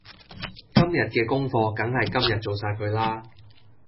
今日嘅功課梗係今日做晒佢啦